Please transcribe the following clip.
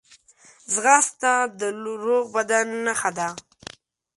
ځغاسته د روغ بدن نښه ده